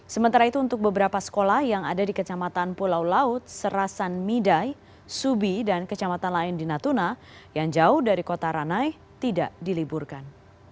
sementara itu untuk beberapa sekolah yang ada di kecamatan pulau laut serasan midai subi dan kecamatan lain di natuna yang jauh dari kota ranai tidak diliburkan